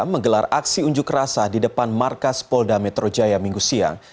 menggelar aksi unjuk rasa di depan markas polda metro jaya minggu siang